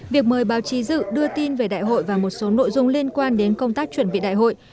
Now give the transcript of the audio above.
việc mời báo chí dự đưa tin về đại hội và một số nội dung liên quan đến công tác chuẩn bị đại hội